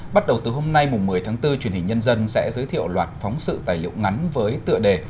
bắt đầu từ hôm nay một mươi tháng bốn truyền hình nhân dân sẽ giới thiệu loạt phóng sự tài liệu ngắn với tựa đề